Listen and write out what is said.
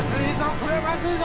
これはまずいぞ！